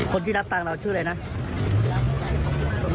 คนที่รับตังค์เราชื่ออะไรนะ